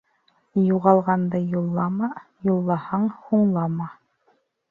Юғалғанды юллама, юллаһаң, һуңлама.